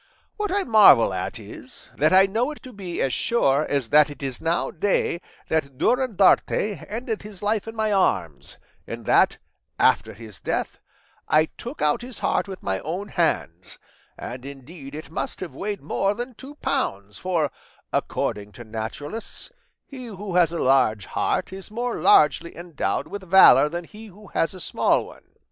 What I marvel at is, that I know it to be as sure as that it is now day, that Durandarte ended his life in my arms, and that, after his death, I took out his heart with my own hands; and indeed it must have weighed more than two pounds, for, according to naturalists, he who has a large heart is more largely endowed with valour than he who has a small one.